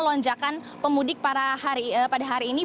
lonjakan pemudik pada hari ini